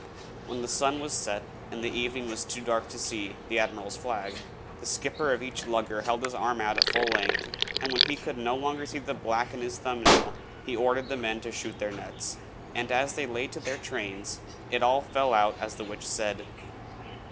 When the sun was set and the evening was too dark to see the Admiral's Flag, the skipper of each lugger held his arm out at full length, and when he could no longer see the black in his thumb nail he ordered the men to shoot their nets. And as they lay to their trains it all fell out as the witch had said.